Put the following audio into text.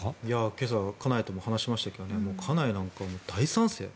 今朝、家内とも話しましたが家内なんかは大賛成。